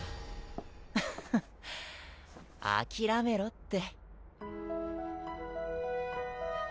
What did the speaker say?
フフッあきらめろって